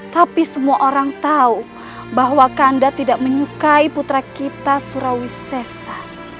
tapi semua orang tahu bahwa kanda tidak menyukai putra kita surawisesa